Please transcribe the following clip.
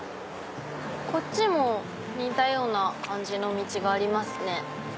こっちも似たような感じの道がありますね。